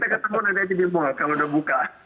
kita ketemu nanti aja di mall kalau udah buka